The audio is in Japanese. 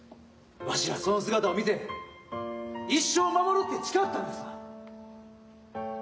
わしらその姿を見て「一生守る」って誓ったんですわ。